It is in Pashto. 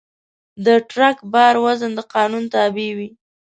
د ټرک بار وزن د قانون تابع وي.